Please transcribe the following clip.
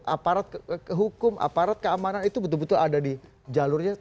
aparat hukum aparat keamanan itu betul betul ada di jalurnya